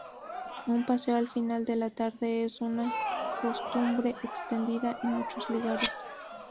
Un "paseo" al final de la tarde es una costumbre extendida en muchos lugares.